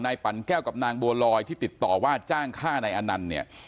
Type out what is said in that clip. นายปันแก้วกับนางบัวรอยที่ติดต่อว่าจ้างค่าในอันนั้นเนี่ย